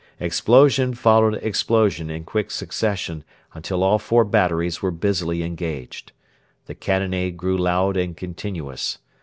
Explosion followed explosion in quick succession until all four batteries were busily engaged. The cannonade grew loud and continuous.